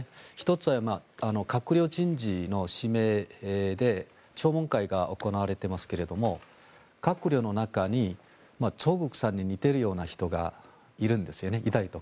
１つは閣僚人事の指名で聴聞会が行われていますけれども閣僚の中にチョ・グクさんに似ているような人がいるんです。